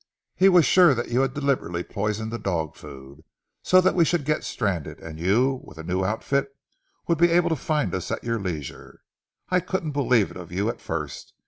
He was sure that you had deliberately poisoned the dog food, so that we should get stranded, and you, with a new outfit, would be able to find us at your leisure. I couldn't believe it of you at first.